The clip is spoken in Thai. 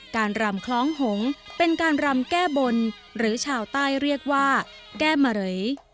รำคล้องหงษ์เป็นการรำแก้บนหรือชาวใต้เรียกว่าแก้มะเหลย